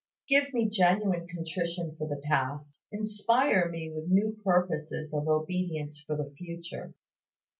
Give me genuine contrition for the past, inspire me with new purposes of obedience for the future.